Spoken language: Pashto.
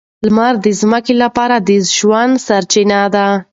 لمر د ځمکې لپاره د ژوند سرچینه ده.